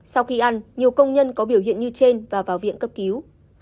sau khi ăn nhiều công nhân có biểu hiện như trên và vào viện cấp cứu